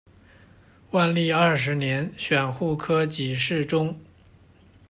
万历二十年，选户科给事中。